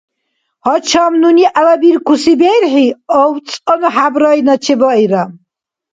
Гьачам нуни гӀелабиркуси берхӀи авцӀанну хӀябрайна чебаира.